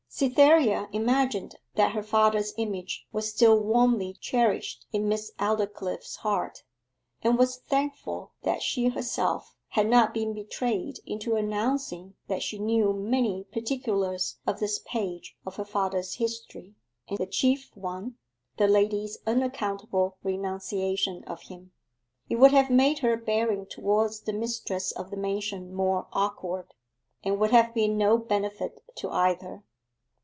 Cytherea imagined that her father's image was still warmly cherished in Miss Aldclyffe's heart, and was thankful that she herself had not been betrayed into announcing that she knew many particulars of this page of her father's history, and the chief one, the lady's unaccountable renunciation of him. It would have made her bearing towards the mistress of the mansion more awkward, and would have been no benefit to either.